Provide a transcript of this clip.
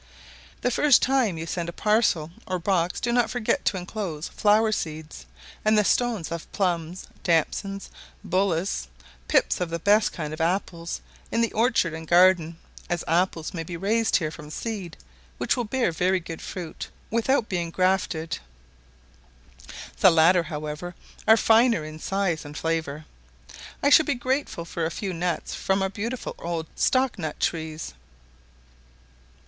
The first time you send a parcel or box, do not forget to enclose flower seeds, and the stones of plums, damsons, bullace, pips of the best kinds of apples, in the orchard and garden, as apples may be raised here from seed, which will bear very good fruit without being grafted; the latter, however, are finer in size and flavour. I should be grateful for a few nuts from our beautiful old stock nut trees.